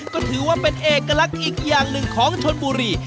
ก็ถือว่าเป็นเอกลักษณ์อีกอย่างหนึ่งของชนบุรี